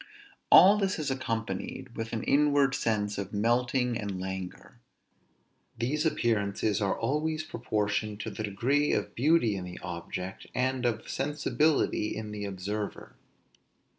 All this is accompanied with an inward sense of melting and languor. These appearances are always proportioned to the degree of beauty in the object, and of sensibility in the observer.